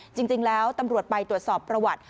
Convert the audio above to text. จริงแล้วตำรวจไปตรวจสอบประวัติ